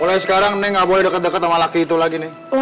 mulai sekarang nih nggak boleh deket deket sama laki itu lagi nih